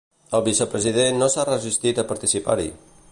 El vicepresident no s'ha resistit a participar-hi.